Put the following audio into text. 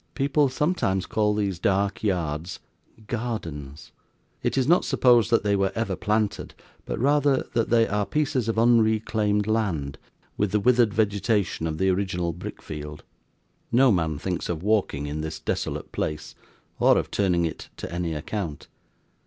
People sometimes call these dark yards 'gardens'; it is not supposed that they were ever planted, but rather that they are pieces of unreclaimed land, with the withered vegetation of the original brick field. No man thinks of walking in this desolate place, or of turning it to any account.